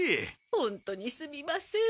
ホントにすみません。